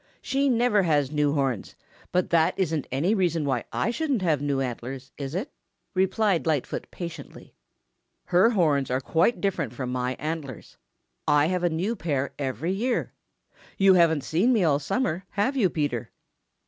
She never has new horns, but that isn't any reason why I shouldn't have new antlers, is it?" replied Lightfoot patiently. "Her horns are quite different from my antlers. I have a new pair every year. You haven't seen me all summer, have you, Peter?"